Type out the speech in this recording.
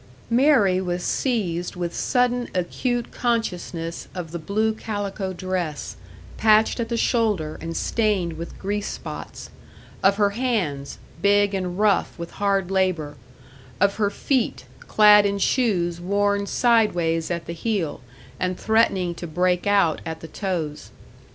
Mary was seized with sudden acute consciousness of the blue calico dress, patched at the shoulder and stained with grease spots; of her hands, big and rough with hard labour; of her feet, clad in shoes worn sideways at the heel, and threatening to break out at the toes.